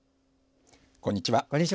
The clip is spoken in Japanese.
こんにちは。